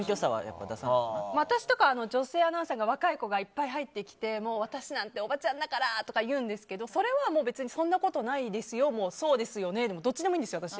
私なんか女性アナウンサーが若い子がいっぱい入ってきて私なんておばちゃんだからとかいうんですけどそれはそんなことないですよもそうですよねもどっちでもいいんですよ。